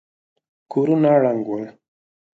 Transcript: کورونه ړنګ ول.